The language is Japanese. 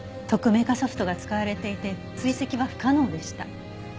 匿名化ソフトが使われていて追跡は不可能でした。